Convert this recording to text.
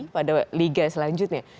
pada liga selanjutnya